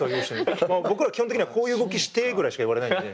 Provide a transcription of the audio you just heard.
僕ら基本的には「こういう動きして」ぐらいしか言われないので。